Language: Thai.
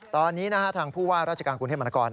ตอนนี้ทางผู้ว่าราชการกรุงเทพมหานคร